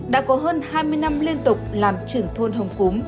đã có hơn hai mươi năm liên tục làm trưởng thôn hồng cúm